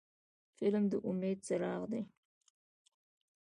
فلم د امید څراغ دی